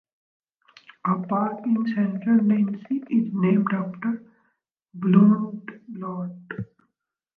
A park in central Nancy is named after Blondlot.